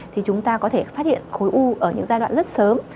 thì chúng ta có thể phát hiện khối u ở những giai đoạn rất sớm